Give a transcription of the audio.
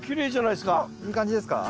いい感じです。